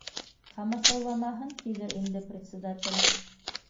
Ҡамасауламаһын, тиҙер инде председатель